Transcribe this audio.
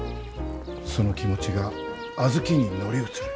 その気持ちが小豆に乗り移る。